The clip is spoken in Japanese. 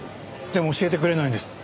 でも教えてくれないんです。